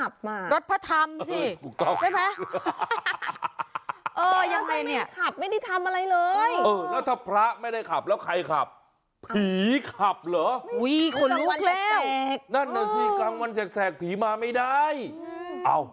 บ้ารถพระทำสิไม่แพ้ฮ่า